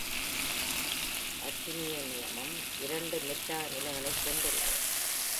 ஆக்டினியமும் இரண்டு மெட்டா நிலைகளைக் கொண்டுள்ளது.